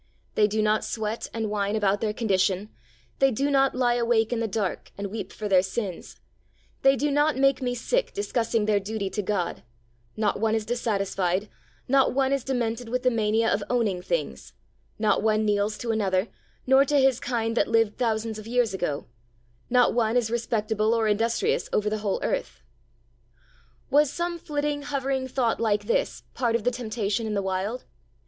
They do not sweat and whine about their condition, They do not lie awake in the dark and weep for their sins, They do not make me sick discussing their duty to God, Not one is dissatisfied, not one is demented with the mania of owning things, Not one kneels to another, nor to his kind that lived thousands of years ago, Not one is respectable or industrious over the whole earth. Was some flitting, hovering thought like this part of the Temptation in the Wild?